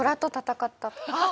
あっ！